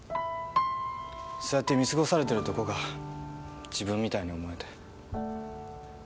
そうやって見過ごされてるとこが自分みたいに思えて。